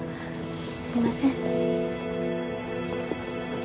すいません。